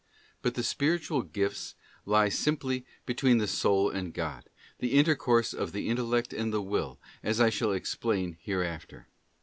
But the spiritual gifts lie simply between the soul and God, in the intercourse of the Intel lect and the Will, as I shall explain hereafter.